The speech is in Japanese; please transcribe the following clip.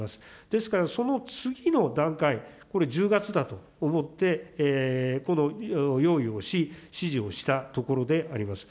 ですから、その次の段階、これ、１０月だと思って、この用意をし、指示をしたところであります。